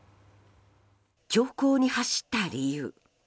凶行に走った理由。